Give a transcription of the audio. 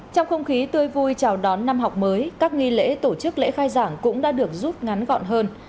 trong không khí tươi vui chào đón năm học mới các nghi lễ tổ chức lễ khai giảng cũng đã được rút ngắn gọn hơn